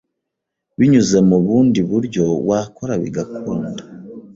Binyuze mu bundi buryo wakora bigakunda